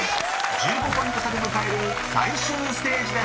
［１５ポイント差で迎える最終ステージです］